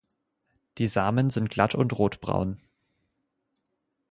Die Samen sind glatt und rotbraun.